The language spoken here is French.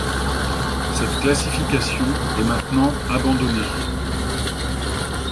Cette classification est maintenant abandonnée.